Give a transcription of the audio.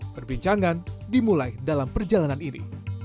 perbincangan dimulai dalam perjalanan ini